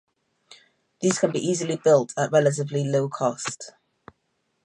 These can be easily built at relatively low cost.